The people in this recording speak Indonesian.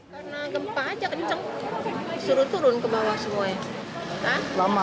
karena gempa aja kenceng suruh turun ke bawah semuanya